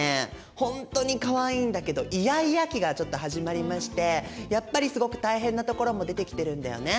ほんとにかわいいんだけどイヤイヤ期がちょっと始まりましてやっぱりすごく大変なところも出てきてるんだよね。